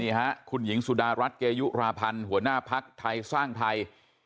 นี่ฮะคุณหญิงสุดารัฐเกยุราพันธ์หัวหน้าภักดิ์ไทยสร้างไทย